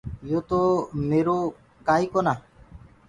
يو تو ميرو ڪآ ئيٚ ڪونآ۔